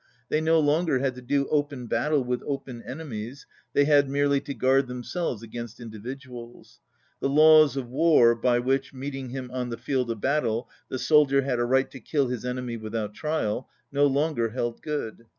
They no longer had to do open battle with open enemies; they had merely to guard themselves against indi viduals. The laws of war by which, meeting him on the field of battle, the soldier had a right to kill his enemy without trial, no longer held good.